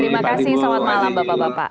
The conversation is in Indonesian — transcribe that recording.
terima kasih selamat malam bapak bapak